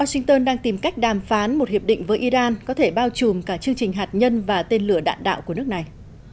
washington đang tìm cách đàm phán một hiệp định với iran có thể bao trùm cả chương trình hạt nhân và tên lửa đạn đạo của nước này